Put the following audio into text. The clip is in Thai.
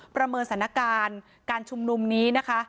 ประเมินสถานการณ์การชุมนุมนี้นะคะ